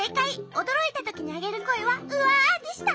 おどろいたときにあげるこえは「うわ！」でした。